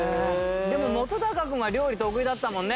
でも本君は料理得意だったもんね？